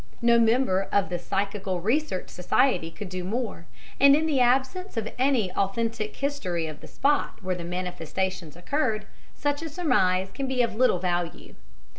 No member of the Psychical Research Society could do more and in the absence of any authentic history of the spot where the manifestations occurred, such a surmise can be of little value.